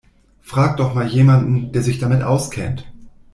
Frag doch mal jemanden, der sich damit auskennt.